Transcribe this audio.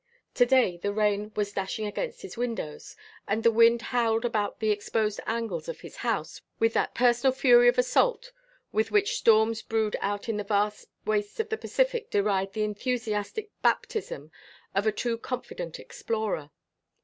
To day the rain was dashing against his windows and the wind howled about the exposed angles of his house with that personal fury of assault with which storms brewed out in the vast wastes of the Pacific deride the enthusiastic baptism of a too confident explorer.